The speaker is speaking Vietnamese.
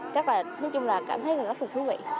thế lại nói chung là cảm thấy rất là thú vị